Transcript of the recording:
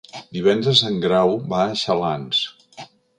Divendres en Grau va a Xalans.